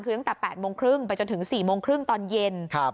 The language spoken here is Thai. คือตั้งแต่๘โมงครึ่งไปจนถึง๔โมงครึ่งตอนเย็น